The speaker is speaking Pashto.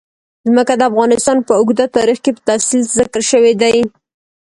ځمکه د افغانستان په اوږده تاریخ کې په تفصیل ذکر شوی دی.